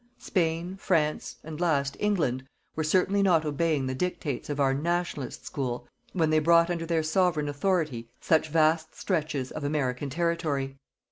Spain, France, and, last, England were certainly not obeying the dictates of our "Nationalist school" when they brought under their Sovereign authority such vast stretches of American territory.